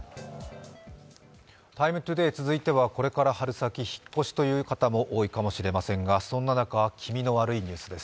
「ＴＩＭＥ，ＴＯＤＡＹ」続いては、これから春先、引っ越しという方も多いかもしれませんがそんな中、気味の悪いニュースです。